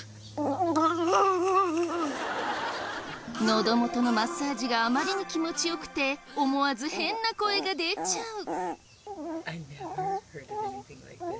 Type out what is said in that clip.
のど元のマッサージがあまりに気持ち良くて思わず変な声が出ちゃう。